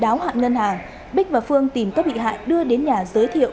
trong khi đào hạn ngân hàng bích và phương tìm các bị hại đưa đến nhà giới thiệu